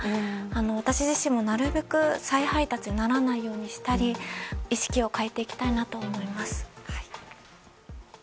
私自身も、なるべく再配達にならないようにしたり意識を変えていきたいなと思います。